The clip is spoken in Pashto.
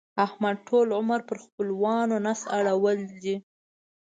احمد ټول عمر پر خپلوانو نس اړول دی.